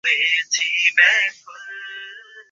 চলচ্চিত্রে পরিচালকের হিসেবে দুজনের নাম শাহীন-সুমন ছিল।